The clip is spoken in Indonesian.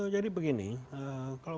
jadi begini kalau